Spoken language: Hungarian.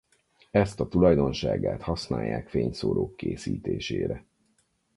Ezt a tulajdonságát használják fényszórók készítésére.